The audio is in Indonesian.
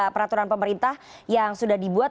peraturan pemerintah yang sudah dibuat